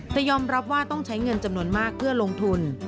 แต่ยอมรับว่าต้องใช้เงินจำนวนมากเพื่อลงทุน